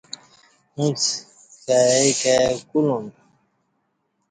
اݩڅ کائی کائی کولوم۔